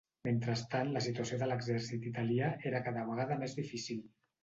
Mentrestant, la situació de l'exèrcit italià era cada vegada més difícil.